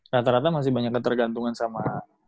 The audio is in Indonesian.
rata rata masih banyak ketergantungan sama